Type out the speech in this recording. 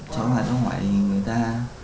cháu hỏi người ta